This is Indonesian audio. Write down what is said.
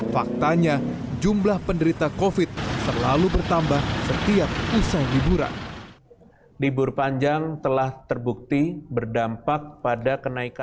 faktanya jumlah penderita covid selalu bertambah setiap usai liburan